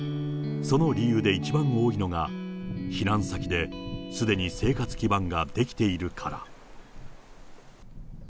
その理由で一番多いのが、避難先ですでに生活基盤ができているから。